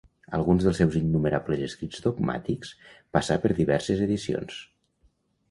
Alguns dels seus innumerables escrits dogmàtics passà per diverses edicions.